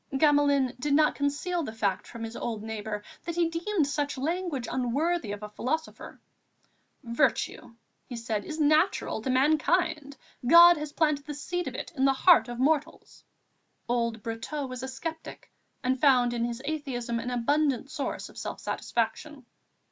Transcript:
Gamelin did not conceal the fact from his old neighbour that he deemed such language unworthy of a philosopher. "Virtue," said he, "is natural to mankind; God has planted the seed of it in the heart of mortals." Old Brotteaux was a sceptic and found in his atheism an abundant source of self satisfaction.